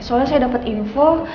soalnya saya dapet info